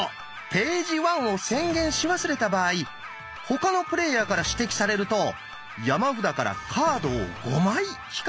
「ページワン」を宣言し忘れた場合他のプレイヤーから指摘されると山札からカードを５枚引かなければならないんです。